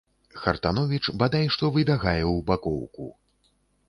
Хартановіч бадай што выбягае ў бакоўку.